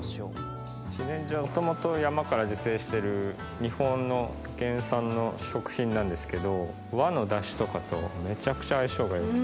自然薯は元々山から自生してる日本の原産の食品なんですけど和のダシとかとめちゃくちゃ相性が良くて。